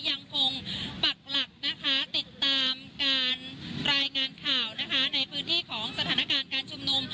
ติดตามการรายงานข่าวนะคะในพื้นที่ของสถานการณ์การชุมหนุ่ม